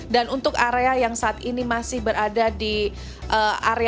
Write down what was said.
dan untuk area yang saat ini masih berada di area tersebut